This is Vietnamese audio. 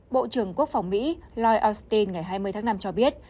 bộ trưởng quốc phòng mỹ lloyd austin ngày hai mươi tháng năm cho biết